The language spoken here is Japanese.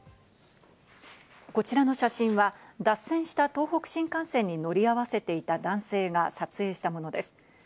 こちらの写真は脱線した東北新幹線に乗り合わせていた男性が撮影したものです。